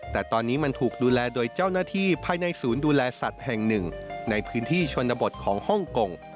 แต่ตอนนี้มันถูกดูแลโดยเจ้าหน้าที่ภายในศูนย์ดูแลสัตว์แห่งหนึ่งในพื้นที่ชนบทของฮ่องกง